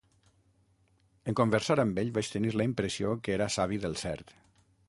En conversar amb ell vaig tenir la impressió que era savi del cert.